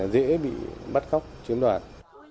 dễ bị bắt khóc chiếm đoạt